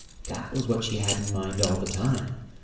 That was what she had in mind all the time.